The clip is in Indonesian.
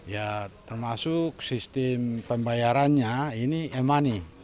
ya termasuk sistem pembayarannya ini e money